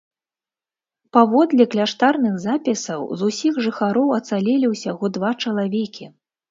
Паводле кляштарных запісаў, з усіх жыхароў ацалелі ўсяго два чалавекі.